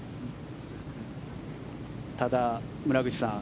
ただ、村口さん